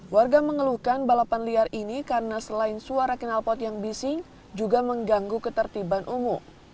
warga mengeluhkan balapan liar ini karena selain suara kenalpot yang bising juga mengganggu ketertiban umum